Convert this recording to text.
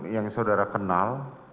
yang saudara kenal